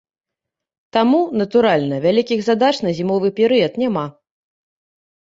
Таму, натуральна, вялікіх задач на зімовы перыяд няма.